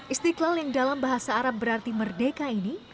istiqlal yang dalam bahasa arab berarti merdeka ini